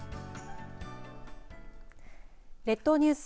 列島ニュース